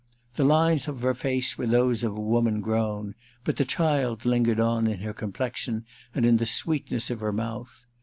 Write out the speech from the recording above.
The lines of her face were those of a woman grown, but the child lingered on in her complexion and in the sweetness of her mouth.